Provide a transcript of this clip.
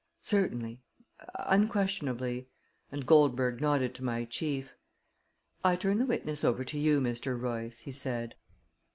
"Certainly unquestionably," and Goldberg nodded to my chief. "I turn the witness over to you, Mr. Royce," he said.